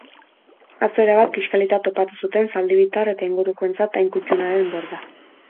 Atzo erabat kixkalita topatu zuten zaldibitar eta ingurukoentzat hain kuttuna den borda.